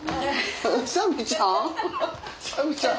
サビちゃん？